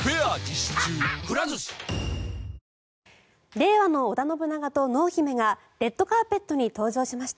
令和の織田信長と濃姫がレッドカーペットに登場しました。